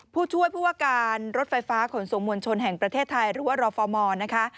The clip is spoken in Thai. ผู้ช่วยผู้ว่าการรถไฟฟ้าขนส่งมวลชนแห่งประเทศไทยหรือว่ารฟมนะคะ